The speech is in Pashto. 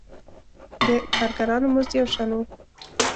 د کارګرانو مزد یو شان و.